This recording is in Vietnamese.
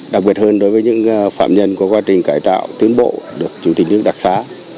đặc biệt hơn đối với những phạm nhân có quá trình cải tạo tuyến bộ được chủ tịch nước đặc xá